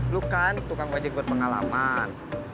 lu kan tukang wajib buat pengalaman